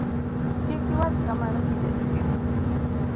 kik iwach kamano Kijasiri.